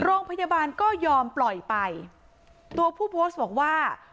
โรงพยาบาลก็ยอมปล่อยไปตัวผู้โพสต์บอกว่า